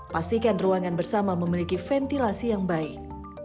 pastikan ruangan bersama memiliki ventilasi yang baik